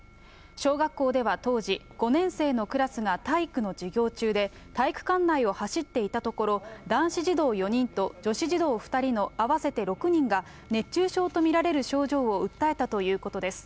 小学校では当時、５年生のクラスが体育の授業中で、体育館内を走っていたところ、男子児童４人と女子児童２人の合わせて６人が、熱中症と見られる症状を訴えたということです。